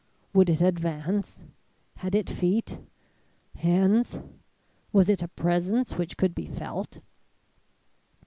Would it advance? Had it feet hands? Was it a presence which could be felt?